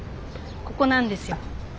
ここなんですよ。